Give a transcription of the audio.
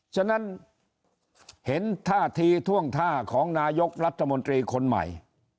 ฉะนั้นเห็นท่าทีท่วงท่าของนายกรัฐมนตรีคนใหม่